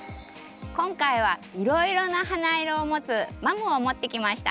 今回はいろいろな花色を持つマムを持ってきました。